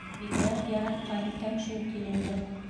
Бигерәк яратҡан икән шул киленде...